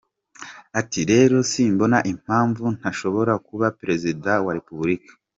Ati “Rero simbona impamvu ntanashobora kuba Perezida wa Repubulika.